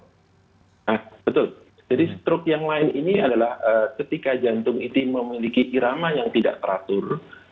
nah betul jadi struk yang lain ini adalah ketika jantung itu memiliki irama yang tidak teratur